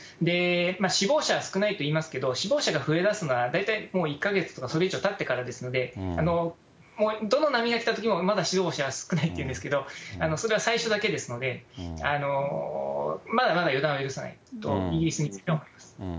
死亡者は少ないといいますけれども、死亡者が増えだすのは、大体、もう１か月とか、それ以上たってからですので、どの波が来たときも、まだ死亡者は少ないって言うんですけど、それは最初だけですので、まだまだ予断は許さないと、イギリスについてもです。